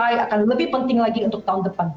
yang akan lebih penting lagi untuk tahun depan